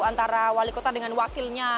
antara wali kota dengan wakilnya